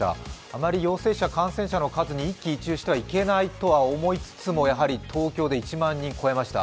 あまり陽性者、感染者の数に一喜一憂してはいけないと思いつつも、やはり東京で１万人を超えました。